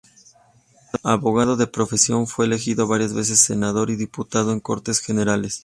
Abogado de profesión, fue elegido varias veces senador y diputado en Cortes generales.